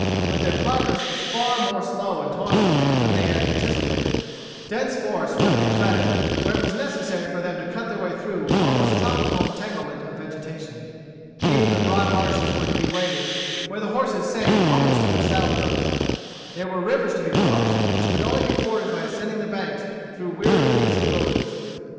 But their progress was far more slow and toilsome than they had anticipated. Dense forests were to be threaded, where it was necessary for them to cut their way through almost tropical entanglement of vegetation. Deep and broad marshes were to be waded, where the horses sank almost to their saddle girths. There were rivers to be crossed, which could only be forded by ascending the banks through weary leagues of wilderness.